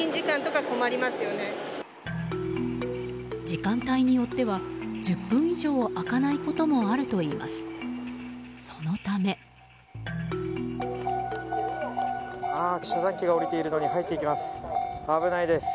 時間帯によっては１０分以上開かないこともあるといいます。